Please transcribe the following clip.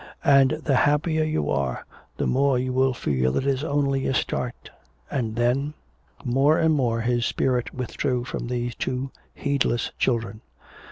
And the happier you are, the more you will feel it is only a start!... And then " More and more his spirit withdrew from these two heedless children.